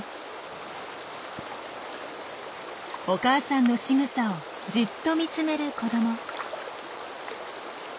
お母さんのしぐさをじっと見つめる子ども。